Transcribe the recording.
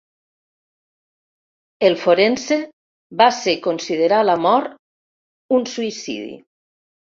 El forense va ser considerar la mort un suïcidi.